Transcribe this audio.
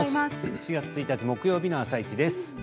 ７月１日木曜日の「あさイチ」です。